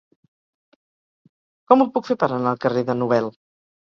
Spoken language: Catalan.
Com ho puc fer per anar al carrer de Nobel?